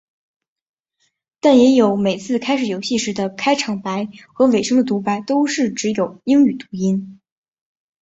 但也有每次开始游戏时的开场白和尾声的读白都是只有英语语音。